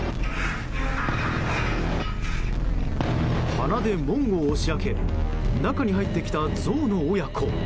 鼻で門を押し開け中に入ってきたゾウの親子。